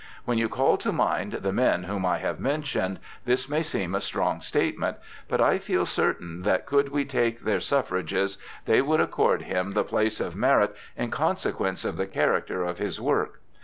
When you call to mind the men whom I have mentioned, this may seem a strong statement, but I feel certain that could we take their suffrages they would accord him the place of merit in consequence of the character of his work.